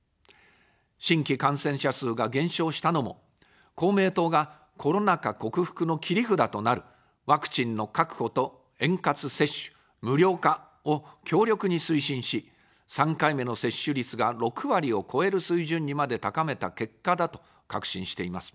新規感染者数が減少したのも、公明党がコロナ禍克服の切り札となるワクチンの確保と円滑接種、無料化を強力に推進し、３回目の接種率が６割を超える水準にまで高めた結果だと確信しています。